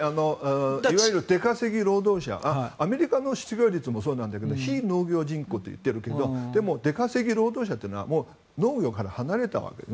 いわゆる出稼ぎ労働者アメリカの失業率もそうなんだけど非農業人口と言っているけどでも出稼ぎ労働者というのは農業から離れたわけです。